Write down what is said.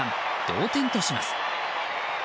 同点とします。